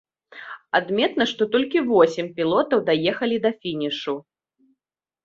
Адметна, што толькі восем пілотаў даехалі да фінішу.